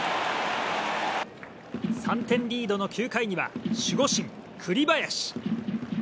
３点リードの９回には守護神・栗林。